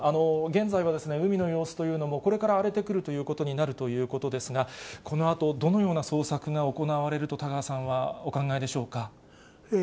現在は海の様子というのも、これから荒れてくるということになるということですが、このあとどのような捜索が行われると田川さんはお考えでしょうか。